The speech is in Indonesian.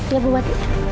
iya bu bati